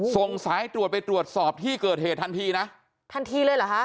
ส่งสายตรวจไปตรวจสอบที่เกิดเหตุทันทีนะทันทีเลยเหรอฮะ